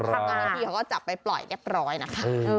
บางทีเขาก็จับไปปล่อยแก๊บปลอยนะคะ